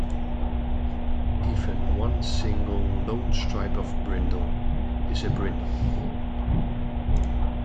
Even one single, lone stripe of brindle is a brindle.